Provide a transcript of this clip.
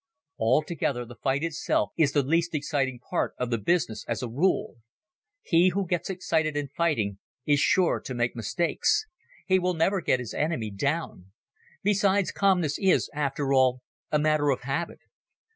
Altogether the fight itself is the least exciting part of the business as a rule. He who gets excited in fighting is sure to make mistakes. He will never get his enemy down. Besides calmness is, after all, a matter of habit.